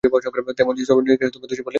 তবে, সোবার্স নিজেকে দোষী হিসেবে মনে করেননি।